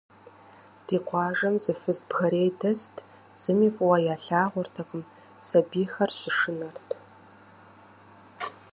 Ди къуажэ зы фыз бгэрей дэст, зыми фӏыуэ ялъагъуртэкъым, сабийхэр щышынэрт.